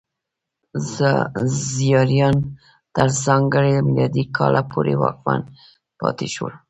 زیاریان تر ځانګړي میلادي کاله پورې واکمن پاتې شول.